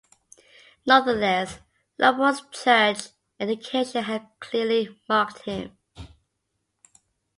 Nonetheless, Leopold's church education had clearly marked him.